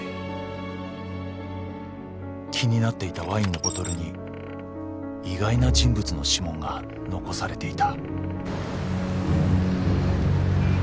［気になっていたワインのボトルに意外な人物の指紋が残されていた］